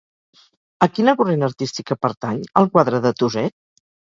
A quina corrent artística pertany el quadre de Tuset?